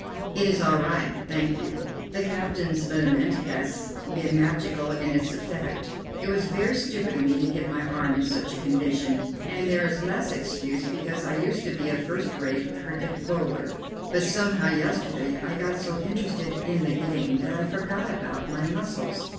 "It is all right, thank you. The captain's liniment has been magical in its effect. It was very stupid of me to get my arm in such a condition, and there is less excuse because I used to be a first rate cricket bowler; but somehow yesterday I got so interested in the game that I forgot about my muscles."